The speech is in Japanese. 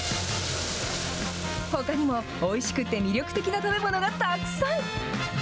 ほかにもおいしくて魅力的な食べ物がたくさん。